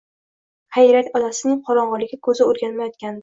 Xayriyat otasining qorong‘ulikka ko‘zi o‘rganmayotgandi